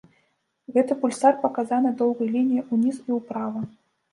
Гэты пульсар паказаны доўгай лініяй уніз і ўправа.